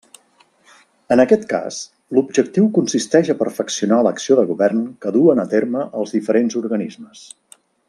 En aquest cas l'objectiu consisteix a perfeccionar l'acció de govern que duen a terme els diferents organismes.